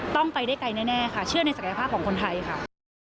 ต้องไปได้ไกลแน่ค่ะเชื่อในศักยภาพของคนไทยค่ะ